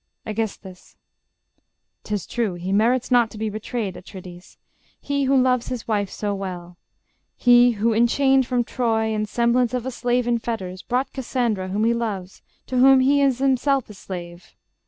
... Aegis. 'Tis true, he merits not To be betrayed, Atrides: he who loves His wife so well; he who, enchained from Troy, In semblance of a slave in fetters, brought Cassandra, whom he loves, to whom he is Himself a slave